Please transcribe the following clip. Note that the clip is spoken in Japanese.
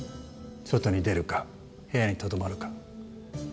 外に出るか部屋にとどまるか。